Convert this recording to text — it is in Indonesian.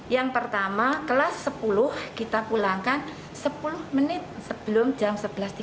yang pertama kelas sepuluh kita pulangkan sepuluh menit sebelum jam sebelas tiga puluh